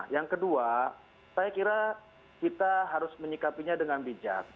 yang kedua saya kira kita harus menyikapinya dengan bijak